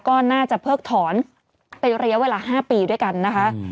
ก็น่าจะเพิกถอนเป็นระยะเวลา๕ปีด้วยกันนะคะ